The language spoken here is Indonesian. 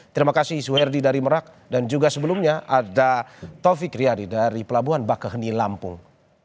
terima kasih suherdi dari merak dan juga sebelumnya ada taufik riyadi dari pelabuhan bakaheni lampung